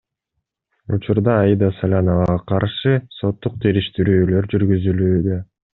Учурда Аида Саляновага каршы соттук териштирүүлөр жүргүзүлүүдө.